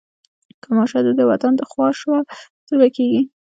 که ماشه د ده د وطن خوا شوه څه به کېږي.